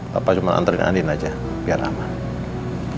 papa cuma antar dengan andin aja biar aman